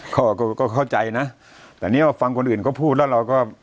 เขาก็เข้าใจนะแต่เนี้ยว่าฟังคนอื่นเขาพูดแล้วเราก็